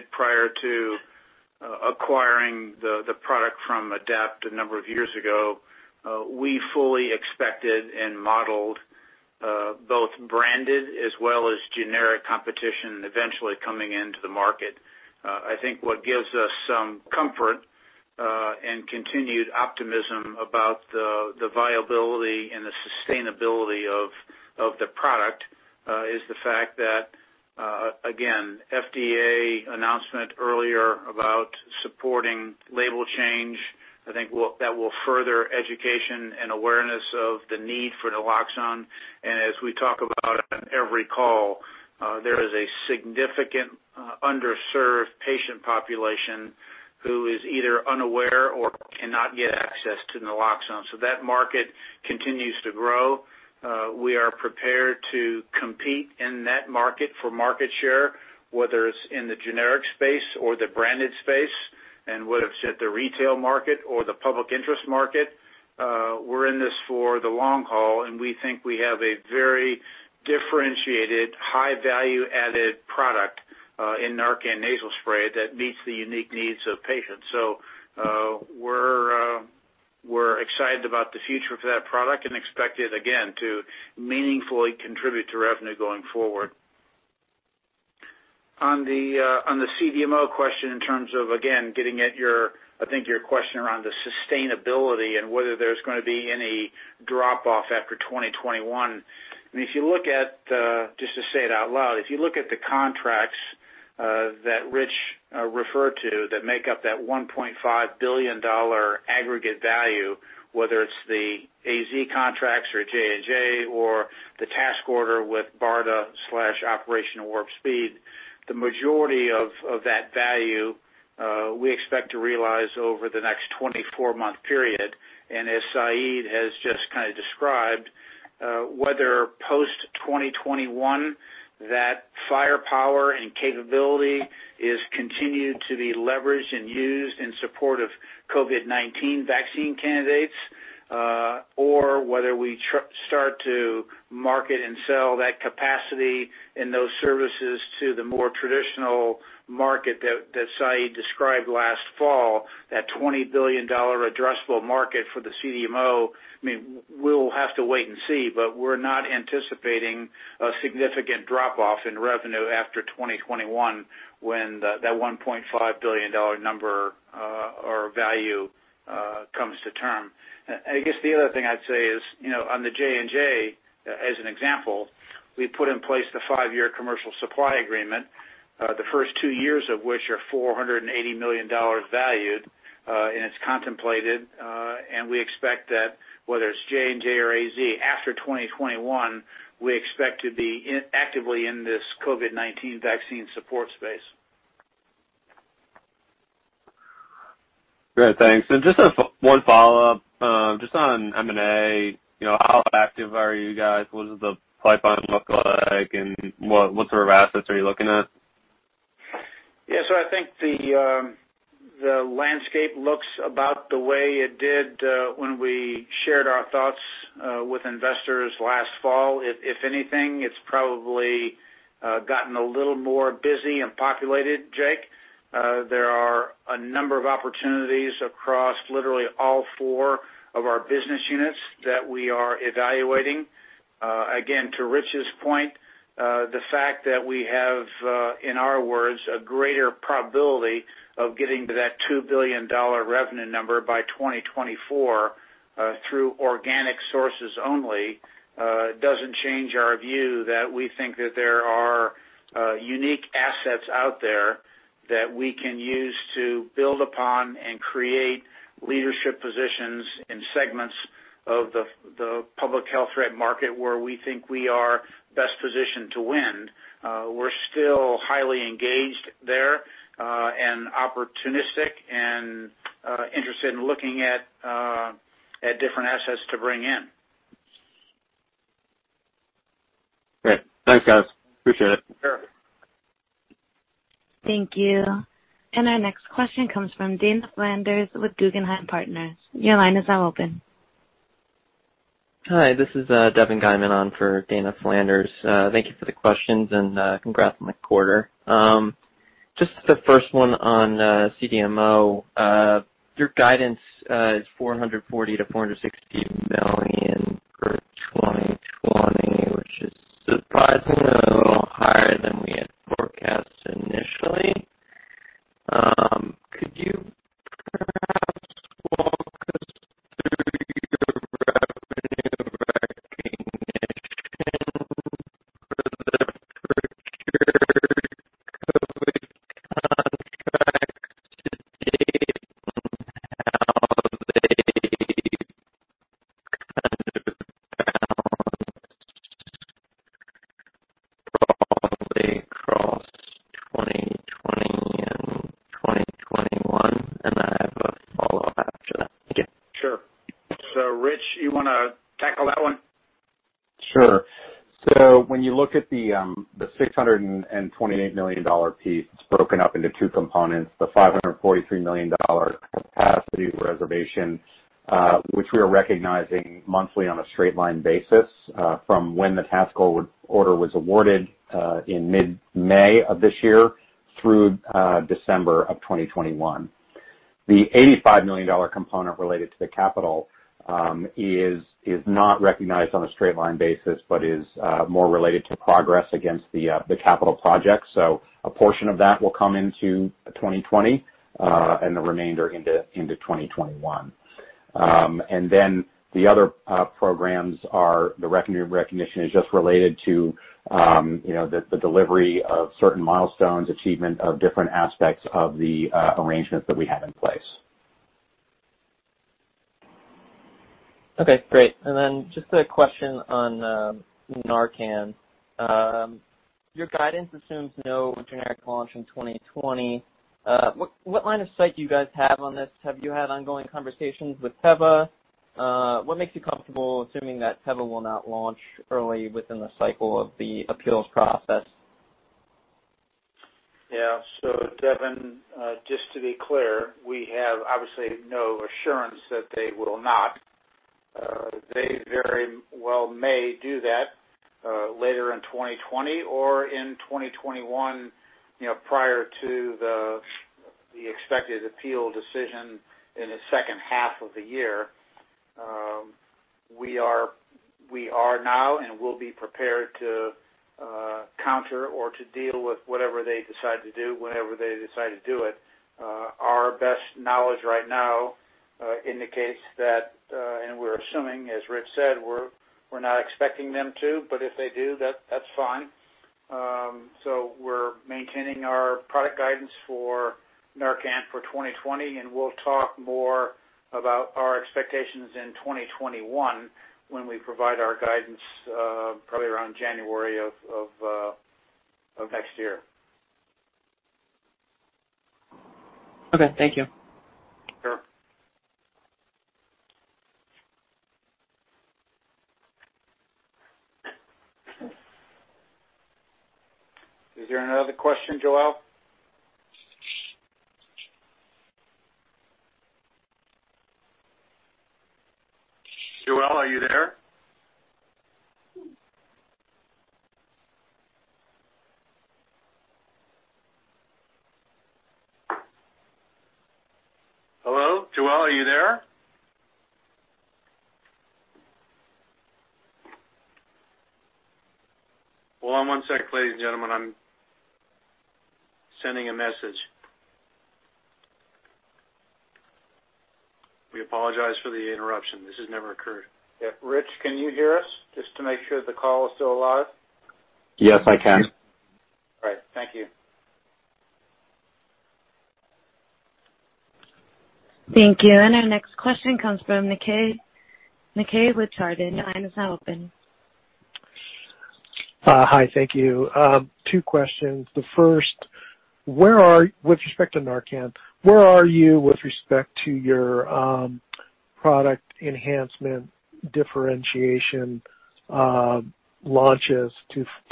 base or does that come down from these new levels? Sure. Thanks for the questions, Jake. Thanks for joining the call. On the NARCAN question, as I shared during my prepared comments, going back to the diligence and the work that we did prior to acquiring the product from Adapt a number of years ago, we fully expected and modeled both branded as well as generic competition eventually coming into the market. I think what gives us some comfort and continued optimism about the viability and the sustainability of the product is the fact that, again, FDA announcement earlier about supporting label change, I think that will further education and awareness of the need for naloxone. As we talk about on every call, there is a significant underserved patient population who is either unaware or cannot get access to naloxone. That market continues to grow. We are prepared to compete in that market for market share, whether it's in the generic space or the branded space, and whether it's at the retail market or the public interest market. We're in this for the long haul, and we think we have a very differentiated, high value-added product in NARCAN Nasal Spray that meets the unique needs of patients. We're excited about the future for that product and expect it, again, to meaningfully contribute to revenue going forward. On the CDMO question, in terms of, again, getting at your question around the sustainability and whether there's going to be any drop off after 2021. Just to say it out loud, if you look at the contracts that Rich referred to that make up that $1.5 billion aggregate value, whether it's the AZ contracts or J&J or the task order with BARDA/Operation Warp Speed, the majority of that value we expect to realize over the next 24-month period. As Syed has just described, whether post 2021, that firepower and capability is continued to be leveraged and used in support of COVID-19 vaccine candidates, or whether we start to market and sell that capacity and those services to the more traditional market that Syed described last fall, that $20 billion addressable market for the CDMO, we'll have to wait and see, but we're not anticipating a significant drop off in revenue after 2021 when that $1.5 billion number or value comes to term. I guess the other thing I'd say is, on the J&J, as an example, we put in place the five-year commercial supply agreement, the first two years of which are $480 million valued, and it's contemplated. We expect that whether it's J&J or AZ, after 2021, we expect to be actively in this COVID-19 vaccine support space. Great. Thanks. Just one follow-up, just on M&A, how active are you guys? What does the pipeline look like, and what sort of assets are you looking at? Yeah. I think the landscape looks about the way it did when we shared our thoughts with investors last fall. If anything, it's probably gotten a little more busy and populated, Jake. There are a number of opportunities across literally all four of our business units that we are evaluating. Again, to Rich's point, the fact that we have, in our words, a greater probability of getting to that $2 billion revenue number by 2024, through organic sources only, doesn't change our view that we think that there are unique assets out there that we can use to build upon and create leadership positions in segments of the public health threat market, where we think we are best positioned to win. We're still highly engaged there, and opportunistic, and interested in looking at different assets to bring in. Great. Thanks, guys. Appreciate it. Sure. Thank you. Our next question comes from Dana Flanders with Guggenheim Partners. Your line is now open. Hi, this is Devin Geiman on for Dana Flanders. Thank you for the questions and congrats on the quarter. Just the first one on CDMO. Your guidance is $440 million-$460 million for 2020, which is surprisingly a little higher than we had forecast initially. Could you perhaps walk us through your revenue recognition for the procurement contracts that you have now? They kind of bound probably across 2020 and 2021. I have a follow-up after that. Thank you. Sure. Rich, you want to tackle that one? When you look at the $628 million piece, it's broken up into two components, the $543 million capacity reservation, which we are recognizing monthly on a straight line basis, from when the task order was awarded, in mid-May of this year through December of 2021. The $85 million component related to the capital, is not recognized on a straight line basis, but is more related to progress against the capital project. A portion of that will come into 2020, and the remainder into 2021. The other programs are the revenue recognition is just related to the delivery of certain milestones, achievement of different aspects of the arrangements that we have in place. Okay, great. Just a question on NARCAN. Your guidance assumes no generic launch in 2020. What line of sight do you guys have on this? Have you had ongoing conversations with Teva? What makes you comfortable assuming that Teva will not launch early within the cycle of the appeals process? Yeah. Devin, just to be clear, we have obviously no assurance that they will not. They very well may do that later in 2020 or in 2021 prior to the expected appeal decision in the second half of the year. We are now and will be prepared to counter or to deal with whatever they decide to do whenever they decide to do it. Our best knowledge right now indicates that, and we're assuming, as Rich said, we're not expecting them to, but if they do, that's fine. We're maintaining our product guidance for NARCAN for 2020, and we'll talk more about our expectations in 2021 when we provide our guidance probably around January of next year. Okay. Thank you. Sure. Is there another question, Joelle? Joelle, are you there? Hello? Joelle, are you there? Hold on one sec, ladies and gentlemen. I'm sending a message. We apologize for the interruption. This has never occurred. Yeah. Rich, can you hear us, just to make sure the call is still alive? Yes, I can. All right. Thank you. Thank you. Our next question comes from Nakae with Chardan. Line is now open. Hi, thank you. Two questions. The first, with respect to NARCAN, where are you with respect to your product enhancement differentiation launches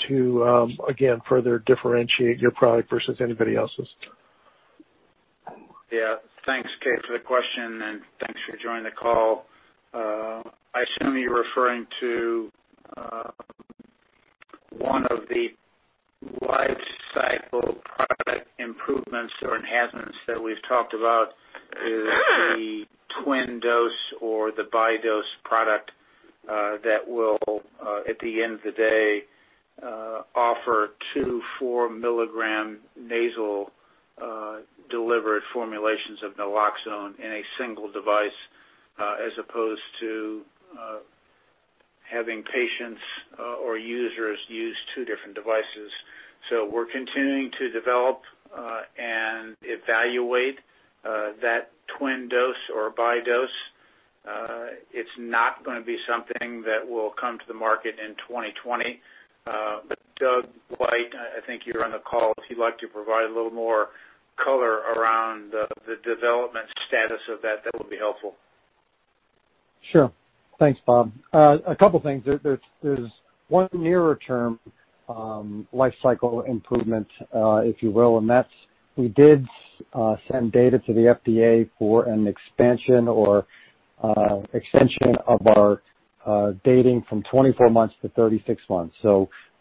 to, again, further differentiate your product versus anybody else's? Yeah, thanks, Keay, for the question. Thanks for joining the call. I assume you're referring to one of the lifecycle product improvements or enhancements that we've talked about is the twin dose or the bi-dose product that will, at the end of the day, offer two 4 mg nasal delivered formulations of naloxone in a single device as opposed to having patients or users use two different devices. We're continuing to develop and evaluate that twin dose or bi-dose. It's not going to be something that will come to the market in 2020. Doug White, I think you're on the call, if you'd like to provide a little more color around the development status of that would be helpful. Sure. Thanks, Bob. A couple things. There's one nearer term lifecycle improvement, if you will, and that's we did send data to the FDA for an expansion or extension of our dating from 24 months to 36 months.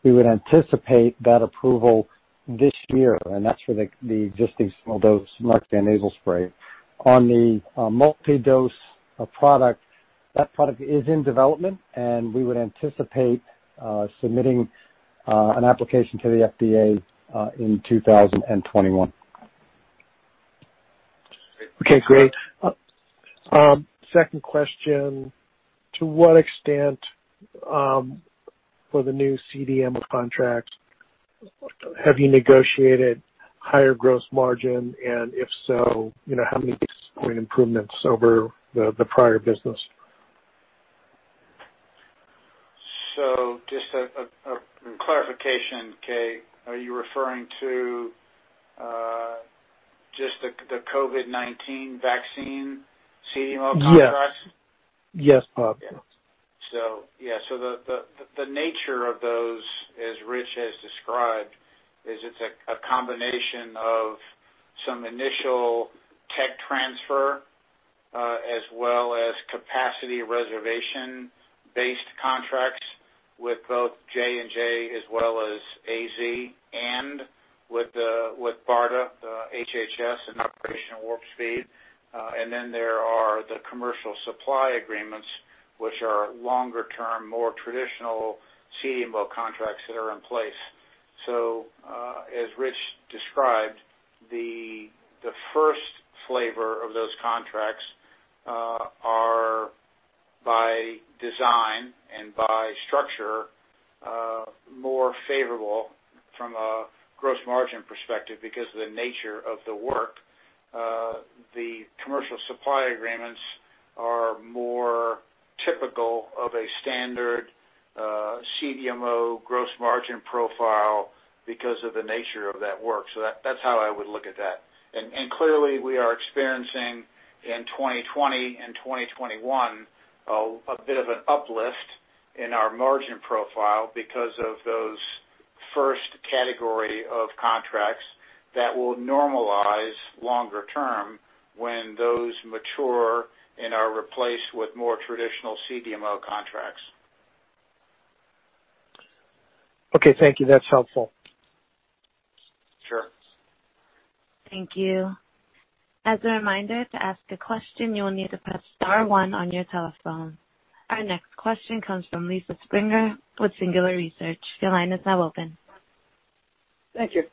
We would anticipate that approval this year, and that's for the existing small dose NARCAN Nasal Spray. On the multi-dose product, that product is in development, and we would anticipate submitting an application to the FDA in 2021. Okay, great. Second question, to what extent, for the new CDMO contract, have you negotiated higher gross margin? If so, how many basis point improvements over the prior business? Just a clarification, Keay, are you referring to just the COVID-19 vaccine CDMO contract? Yes, Bob. Yeah, the nature of those, as Rich has described, is it's a combination of some initial tech transfer as well as capacity reservation-based contracts with both J&J as well as AZ and with BARDA, HHS and Operation Warp Speed. There are the commercial supply agreements which are longer term, more traditional CDMO contracts that are in place. As Rich described, the first flavor of those contracts are by design and by structure more favorable from a gross margin perspective because of the nature of the work. The commercial supply agreements are more typical of a standard CDMO gross margin profile because of the nature of that work. That's how I would look at that. Clearly we are experiencing in 2020 and 2021 a bit of an uplift in our margin profile because of those first category of contracts that will normalize longer term when those mature and are replaced with more traditional CDMO contracts. Okay, thank you. That's helpful. Sure. Thank you. As a reminder, to ask a question, you will need to press star one on your telephone. Our next question comes from Lisa Springer with Singular Research. Your line is now open. Thank you.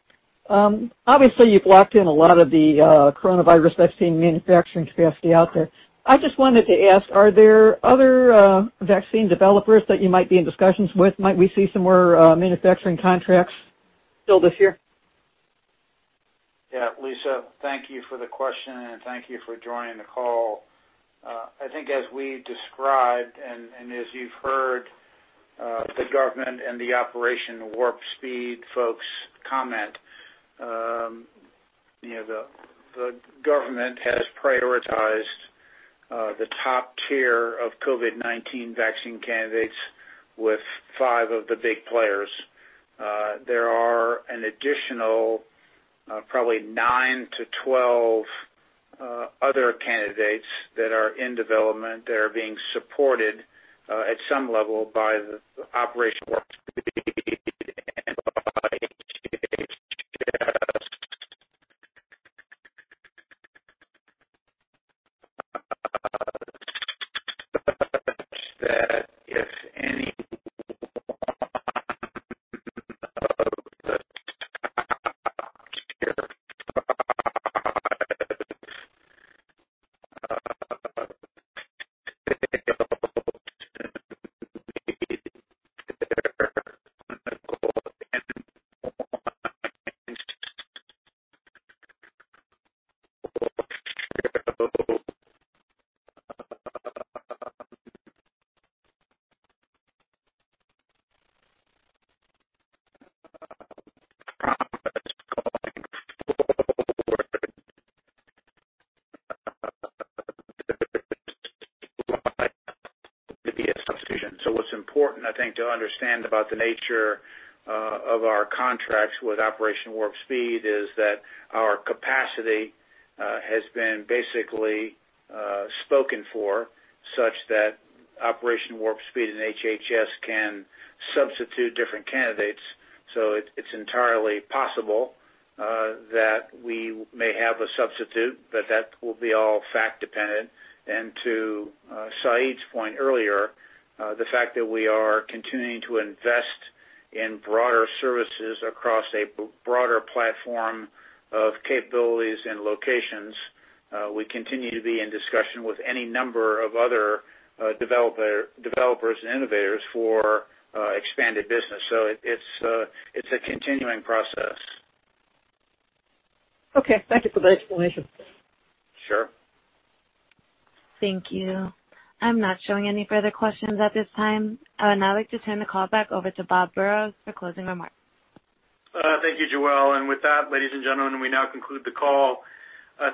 Obviously, you've locked in a lot of the coronavirus vaccine manufacturing capacity out there. I just wanted to ask, are there other vaccine developers that you might be in discussions with? Might we see some more manufacturing contracts filled this year? Yeah, Lisa, thank you for the question, and thank you for joining the call. I think as we described, and as you've heard the government and the Operation Warp Speed folks comment, the government has prioritized the top tier of COVID-19 vaccine candidates with five of the big players. There are an additional probably nine to 12 other candidates that are in development that are being supported at some level by the Operation Warp Speed and by HHS such that if any one of the top tier products failed to meet their clinical endpoints going forward to be a substitution. What's important, I think, to understand about the nature of our contracts with Operation Warp Speed is that our capacity has been basically spoken for such that Operation Warp Speed and HHS can substitute different candidates. It's entirely possible that we may have a substitute, but that will be all fact dependent. To Syed's point earlier, the fact that we are continuing to invest in broader services across a broader platform of capabilities and locations, we continue to be in discussion with any number of other developers and innovators for expanded business. It's a continuing process. Okay. Thank you for the explanation. Sure. Thank you. I'm not showing any further questions at this time. I would now like to turn the call back over to Bob Burrows for closing remarks. Thank you, Joelle. With that, ladies and gentlemen, we now conclude the call.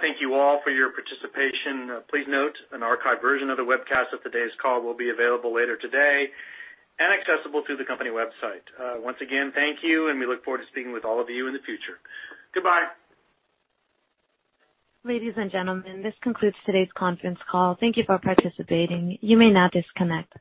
Thank you all for your participation. Please note an archived version of the webcast of today's call will be available later today and accessible through the company website. Once again, thank you, and we look forward to speaking with all of you in the future. Goodbye. Ladies and gentlemen, this concludes today's conference call. Thank you for participating. You may now disconnect.